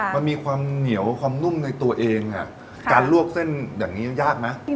มันมีความเหนียวความนุ่มในตัวเองการลวกเส้นอย่างนี้ยากไหม